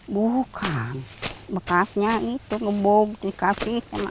bukan bekasnya itu ngebung dikasih mak